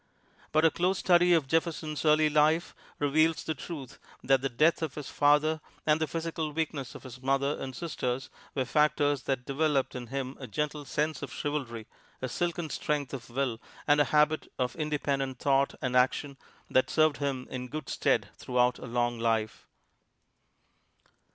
But a close study of Jefferson's early life reveals the truth that the death of his father and the physical weakness of his mother and sisters were factors that developed in him a gentle sense of chivalry, a silken strength of will, and a habit of independent thought and action that served him in good stead throughout a long life.